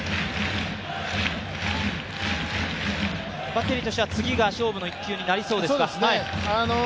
バッテリーとしては次が勝負の一球になりそうですか？